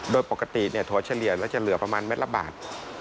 โดยปกติถั่วเฉลี่ยแล้วจะเหลือประมาณเม็ดละบาท